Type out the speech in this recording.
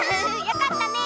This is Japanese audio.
よかったね。